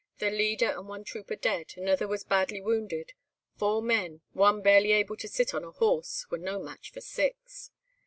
Their leader and one trooper dead; anither was badly wounded. Four men—one barely able to sit on a horse—were no match for six.